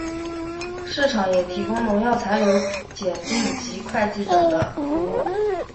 市场也提供农药残留检定及会计等的服务。